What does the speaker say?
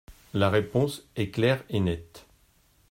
La réponse est claire et nette.